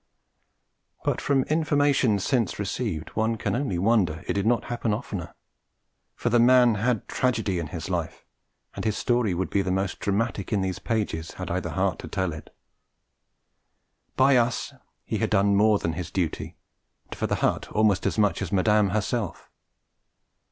But from information since received one can only wonder it did not happen oftener; for the man had tragedy in his life, and his story would be the most dramatic in these pages had I the heart to tell it. By us he had done more than his duty, and for the hut almost as much as Madame herself.